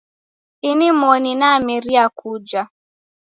Inimoni nameria kuja